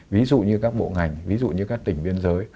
ví dụ như các bộ ngành ví dụ như các tỉnh biên giới